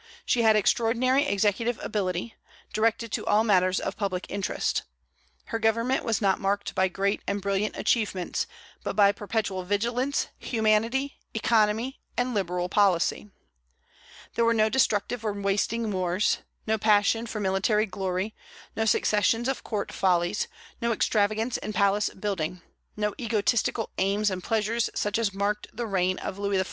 She had extraordinary executive ability, directed to all matters of public interest. Her government was not marked by great and brilliant achievements, but by perpetual vigilance, humanity, economy, and liberal policy. There were no destructive and wasting wars, no passion for military glory, no successions of court follies, no extravagance in palace building, no egotistical aims and pleasures such as marked the reign of Louis XIV.